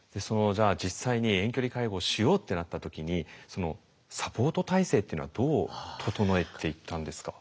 じゃあ実際に遠距離介護をしようってなった時にサポート体制っていうのはどう整えていったんですか？